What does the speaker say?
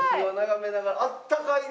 あったかいな。